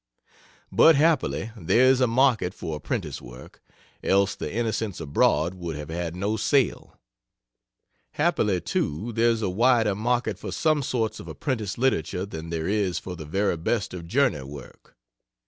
But happily there is a market for apprentice work, else the "Innocents Abroad" would have had no sale. Happily, too, there's a wider market for some sorts of apprentice literature than there is for the very best of journey work.